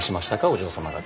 お嬢様方。